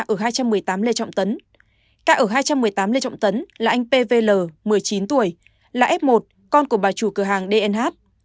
phường nhân chính có thêm hai ca phường khương mai thêm một ca ở hai trăm một mươi tám lê trọng tấn là anh pvl một mươi chín tuổi là f một con của bà chủ cửa hàng dnh